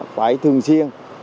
phải thường xuyên